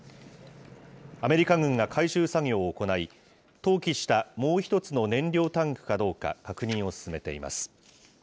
アメリカ軍が回収作業を行い、投棄したもう１つの燃料タンクかどうか、確認を進めています。